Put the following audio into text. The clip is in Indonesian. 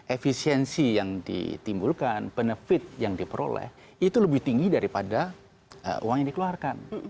efisiensi yang ditimbulkan benefit yang diperoleh itu lebih tinggi daripada uang yang dikeluarkan